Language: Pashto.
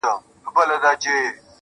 د گلو كر نه دى چي څوك يې پــټ كړي,